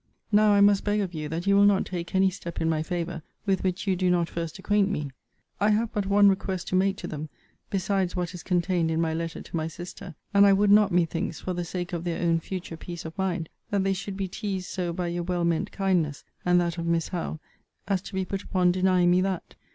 Now I must beg of you that you will not take any step in my favour, with which you do not first acquaint me. I have but one request to make to them, besides what is contained in my letter to my sister; and I would not, methinks, for the sake of their own future peace of mind, that they should be teased so by your well meant kindness, and that of Miss Howe, as to be put upon denying me that.